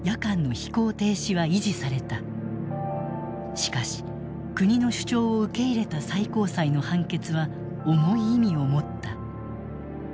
しかし国の主張を受け入れた最高裁の判決は重い意味を持った。